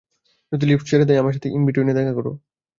যদি লিফট ছেড়ে দেয়, আমার সাথে ইন বিটুইনে দেখা কোরো।